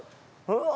うわ！